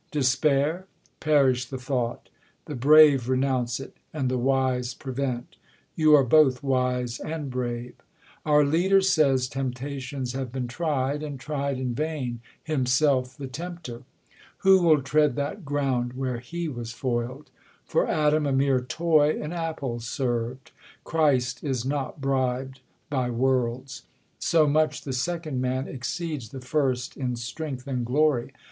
Despair? Perish the thought T The brave renounce it, and the wise prevent ; You are both wise and brave, Our leader sayg Temptations have been tried, and tried in vam, Himself the tempter. Who will tread that ground, Where he was foil'd ? For Adam a mere toy, An apple serv'd ; Christ is not brib'd by worlds : So much ttfc second Man exceeds the first In strength and glory.